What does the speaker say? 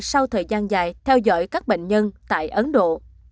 sau thời gian dài theo dõi các bệnh nhân tại ấn độ